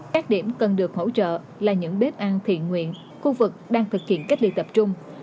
các điểm cần được hỗ trợ là những bếp ăn thiện nguyện khu vực đang thực hiện cách ly tập trung